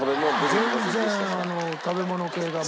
全然食べ物系が全く。